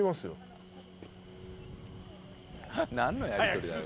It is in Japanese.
何のやりとりだよ。